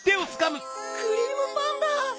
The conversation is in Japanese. クリームパンダ！